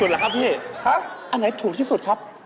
ราคาถูกที่สุด